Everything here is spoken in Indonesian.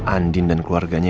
andin dan keluarganya